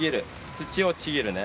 土をちぎるね。